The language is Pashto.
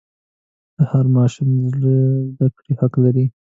هر ماشوم د زده کړې حق لري.